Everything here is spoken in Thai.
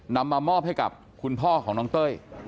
นำมามอบให้กับคุณพ่อของน้องเต้ย